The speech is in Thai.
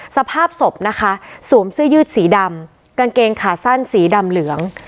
สภาพศพนะคะสวมเสื้อยืดสีดำกางเกงขาสั้นสีดำเหลือง